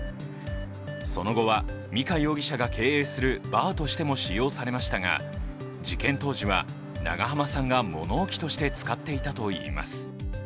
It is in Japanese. その後は美香容疑者が経営するバーとしても使用されましたが事件当時は、長濱さんが物置として使っていたといいます。